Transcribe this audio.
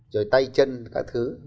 rồi tay chân các thứ